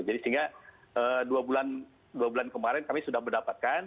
jadi sehingga dua bulan kemarin kami sudah mendapatkan